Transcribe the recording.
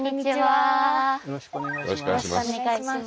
よろしくお願いします。